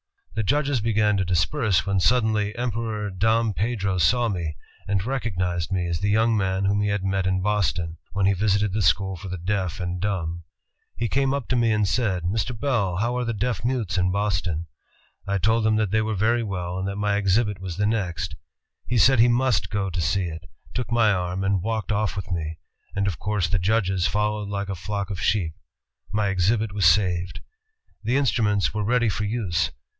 The judges began to disperse, when suddenly Emperor Dom Pedro saw me, and recognized me as the young man whom he had met m Boston, when he visited the school for the deaf and dumb. He came up to me and said, 'Mr. Bell, how are the deaf mutes in Boston?' I told him they were very well, and that my exhibit was the next. He said he must go to see it, took my arm and walked off with me, and of course the judges followed like a flock of sheep. My exhibit was saved." The instruments were ready for use.